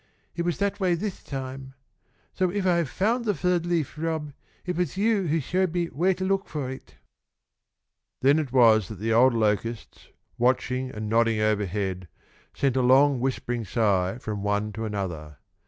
It was that way this time. So if I have found the third leaf, Rob, it was you who showed me where to look for it." Then it was that the old locusts, watching and nodding overhead, sent a long whispering sigh from one to another.